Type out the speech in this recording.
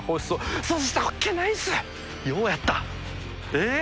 えっ！？